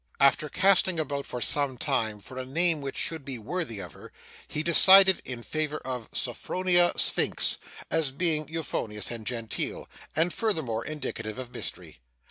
After casting about for some time for a name which should be worthy of her, he decided in favour of Sophronia Sphynx, as being euphonious and genteel, and furthermore indicative of mystery.